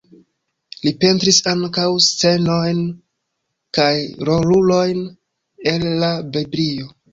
Li pentris ankaŭ scenojn kaj rolulojn el la Biblio.